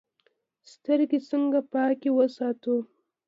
سترګې څنګه پاکې وساتو؟